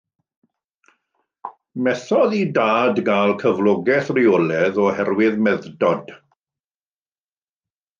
Methodd ei dad gael cyflogaeth reolaidd oherwydd meddwdod.